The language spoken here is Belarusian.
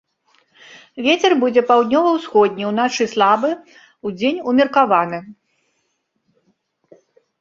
Вецер будзе паўднёва-ўсходні, уначы слабы, удзень умеркаваны.